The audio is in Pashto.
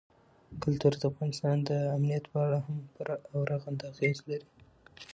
کلتور د افغانستان د امنیت په اړه هم پوره او رغنده اغېز لري.